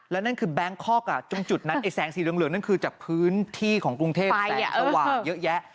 และนั่นคือแบงคอกตรงจุดนั้นไอแสงสีเหลืองนั่นคือจากพื้นที่ของกรุงเทพแสงสว่างเยอะแยะ